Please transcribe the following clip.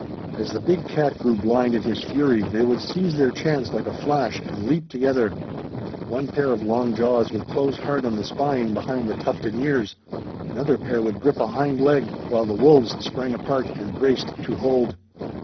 As the big cat grew blind in his fury they would seize their chance like a flash and leap together; one pair of long jaws would close hard on the spine behind the tufted ears; another pair would grip a hind leg, while the wolves sprang apart and braced to hold.